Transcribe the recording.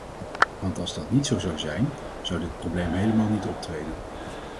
Want als dat niet zo zou zijn, zou dit probleem helemaal niet optreden.